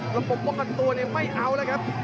ระบบป้องกันตัวนี่ไม่เอาเลยครับ